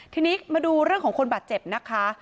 ทีนี้มาดูเรื่องของคนบาดเจ็บนะคะ